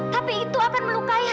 tapi itu akan melukai hati kamu